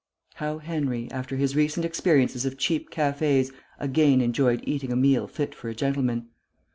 How Henry, after his recent experiences of cheap cafés, again enjoyed eating a meal fit for a gentleman.